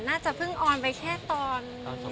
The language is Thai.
น่าจะเพิ่งออนไปแค่ตอน